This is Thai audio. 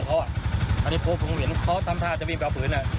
อันนี้พอผมเห็นเขาทำท่าจะวิ่งไปเอาปืน